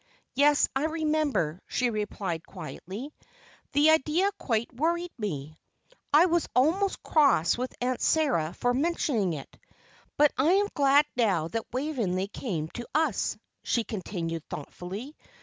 "Yes, I remember," she replied, quietly. "The idea quite worried me. I was almost cross with Aunt Sara for mentioning it. But I am glad now that Waveney came to us," she continued, thoughtfully.